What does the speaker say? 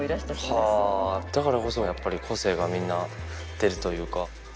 はぁだからこそやっぱり個性がみんな出るというか。